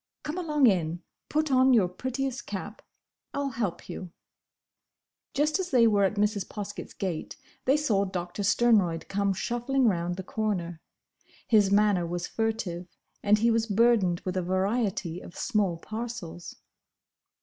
Come along in. Put on your prettiest cap. I'll help you." Just as they were at Mrs. Poskett's gate they saw Doctor Sternroyd come shuffling round the corner. His manner was furtive, and he was burdened with a variety of small parcels.